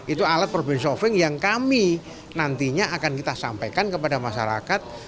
itu alat problem solving yang kami nantinya akan kita sampaikan kepada masyarakat